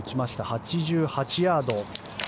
８８ヤード。